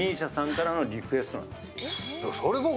ＭＩＳＩＡさんからのリクエストなんですよ。